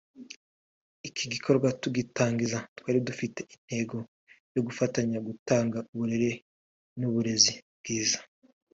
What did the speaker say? iki gikorwa tugitekereza twari dufite intego yo gufatanya gutanga uburere n’uburezi bwiza